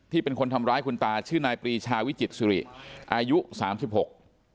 เป็นคนทำร้ายคุณตาชื่อนายปรีชาวิจิตสิริอายุสามสิบหก